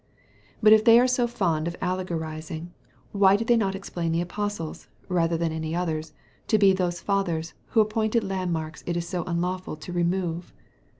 " But if they are so fond of allegorizing, why do they not explain the apostles, rather than any others, to be those fathers, whose appointed landmarks it is so unlawful to remove?